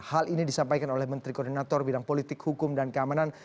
hal ini disampaikan oleh menteri koordinator bidang politik hukum dan keamanan